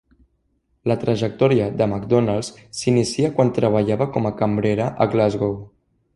La trajectòria de Macdonald's s'inicia quan treballava com a cambrera a Glasgow.